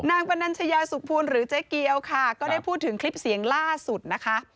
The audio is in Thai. ปนัญชยาสุขภูลหรือเจ๊เกียวค่ะก็ได้พูดถึงคลิปเสียงล่าสุดนะคะ